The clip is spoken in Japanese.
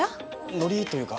ノリというか。